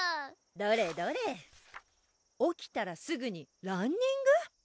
どれどれ起きたらすぐにランニングへぇ